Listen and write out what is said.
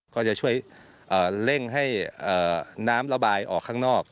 ก็จะช่วยเร่งให้น้ำระบายออกข้างนอก